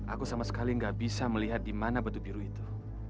aku sama sekali gak bisa melihat di mana batu biru itu